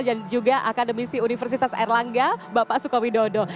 dan juga akademisi universitas erlangga bapak sukowidodo